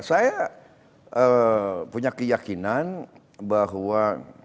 saya punya keyakinan bahwa